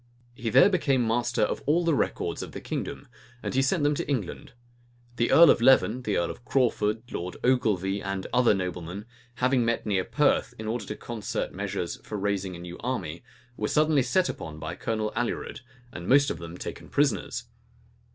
He there became master of all the records of the kingdom; and he sent them to England. The earl of Leven, the earl of Crawford, Lord Ogilvy, and other noblemen, having met near Perth, in order to concert measures for raising a new army, were suddenly set upon by Colonel Alured, and most of them taken prisoners.